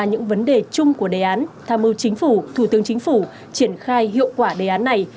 những vấn đề chung của đề án tham mưu chính phủ thủ tướng chính phủ triển khai hiệu quả đề án này